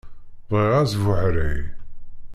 Bɣiɣ asbuḥray.